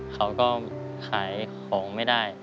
เขาก็ขายของไม่ได้